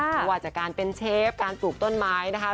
ไม่ว่าจากการเป็นเชฟการปลูกต้นไม้นะคะ